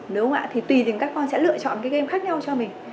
nếu không ạ thì tùy tình các con sẽ lựa chọn game khác nhau cho mình